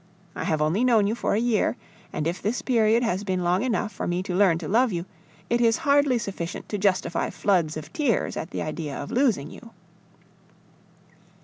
I have only known you for a year; and if this period has been long enough for me to learn to love you, it is hardly sufficient to justify floods of tears at the idea of losing you.